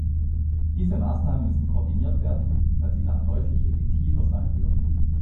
Diese Maßnahmen müssen koordiniert werden, weil sie dann deutlich effektiver sein würden.